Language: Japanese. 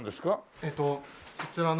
えーっとそちらの。